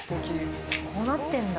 こうなってんだ。